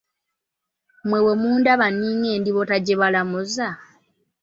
Mwe bwemundaba ninga endiboota gye balamuza?